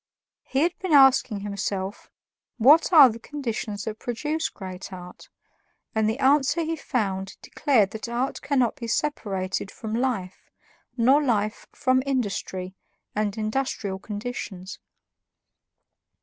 He had been asking himself what are the conditions that produce great art, and the answer he found declared that art cannot be separated from life, nor life from industry and industrial conditions.